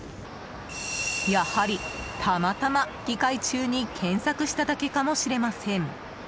やはり、たまたま議会中に検索しただけかもしれません。